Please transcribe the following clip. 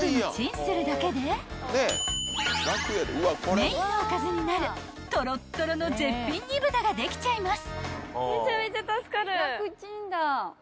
［メインのおかずになるとろっとろの絶品煮豚ができちゃいます］